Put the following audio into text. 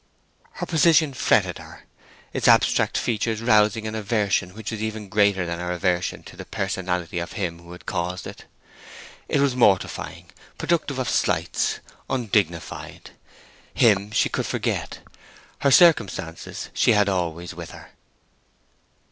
Her position fretted her, its abstract features rousing an aversion which was even greater than her aversion to the personality of him who had caused it. It was mortifying, productive of slights, undignified. Him she could forget; her circumstances she had always with her.